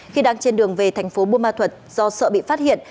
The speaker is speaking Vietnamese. khi đang trên đường về thành phố buôn ma thuật do sợ bị phát hiện